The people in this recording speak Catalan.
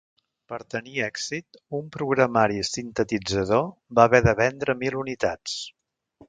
Per tenir èxit, un programari sintetitzador va haver de vendre mil unitats.